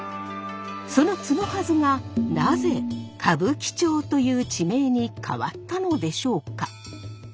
その角筈がなぜ歌舞伎町という地名に変わったのでしょうか？